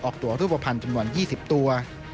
ตัวรูปภัณฑ์จำนวน๒๐ตัว